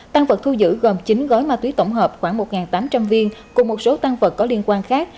tăng vật thu giữ gồm chín gói ma túy tổng hợp khoảng một tám trăm linh viên cùng một số tăng vật có liên quan khác